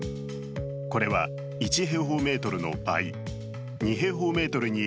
これは１平方メートルの倍、２平方メートルに